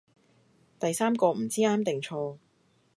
第三個唔知啱定錯